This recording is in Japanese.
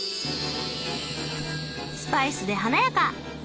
スパイスで華やか！